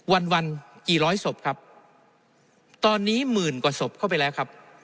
วันวันกี่ร้อยศพครับตอนนี้หมื่นกว่าศพเข้าไปแล้วครับ